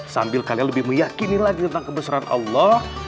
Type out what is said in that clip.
sambil kalian lebih meyakini lagi tentang kebesaran allah